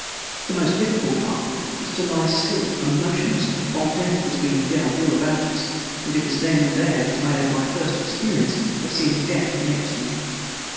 The most difficult part was to lie still and motionless while death was being dealt all about us and it was then and there that I had my first experience of seeing death next to me.